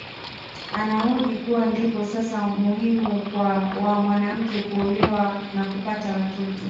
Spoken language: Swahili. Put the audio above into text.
Anahoji kuwa ndipo sasa umuhimu wa mwanamke kuolewa na kupata watoto